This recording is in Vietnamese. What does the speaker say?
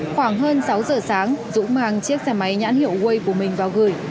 khoảng hơn sáu giờ sáng dũng mang chiếc xe máy nhãn hiệu waze của mình vào gửi